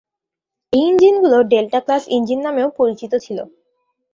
এই ইঞ্জিনগুলি ‘Delta class’ engine নামেও পরিচিত ছিল।